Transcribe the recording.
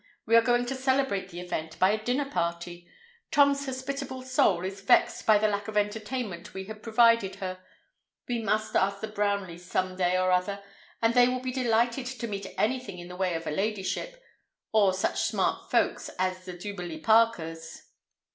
We are going to celebrate the event by a dinner party. Tom's hospitable soul is vexed by the lack of entertainment we had provided her. We must ask the Brownleys some day or other, and they will be delighted to meet anything in the way of a ladyship, or such smart folks as the Duberly Parkers.